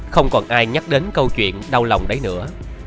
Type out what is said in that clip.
không còn ai nhắc đến câu chuyện đau lòng đấy nữa